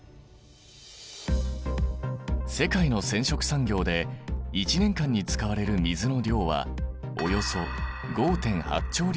世界の染色産業で１年間に使われる水の量はおよそ５．８兆Ｌ。